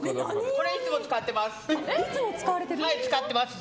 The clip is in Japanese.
これいつも使っています。